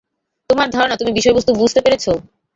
তোমার ধারণা তুমি বিষয়বস্তু বুঝতে পেরেছ?